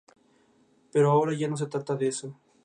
Pero ahora ya no se trata de eso.